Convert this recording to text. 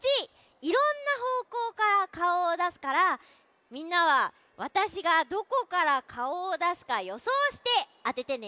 いろんなほうこうからかおをだすからみんなはわたしがどこからかおをだすかよそうしてあててね。